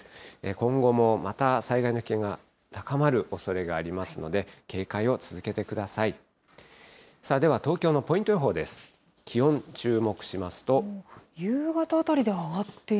今後もまた災害の危険が高まるおそれがありますので、警戒を続けてください。